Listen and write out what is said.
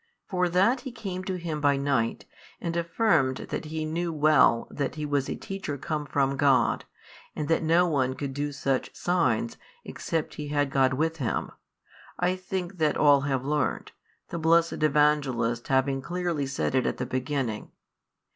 For that he came to Him by night, and affirmed that he knew well that He was a teacher come from God and that no one could do such signs, except he had God with him, I think that all have learnt, the blessed Evangelist having clearly said it at the beginning.